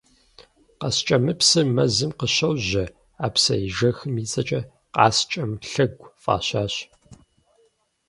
Къаскӏэмыпсыр мэзым къыщожьэ, а псыежэхым и цӏэкӏэ «Къаскӏэм лъэгу» фӏащащ.